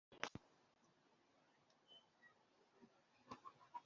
iryo dini ryatangiye mu ntangiriro z’ikinyejana cya cumi